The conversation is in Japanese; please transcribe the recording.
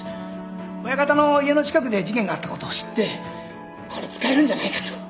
親方の家の近くで事件があったことを知ってこれ使えるんじゃないかと。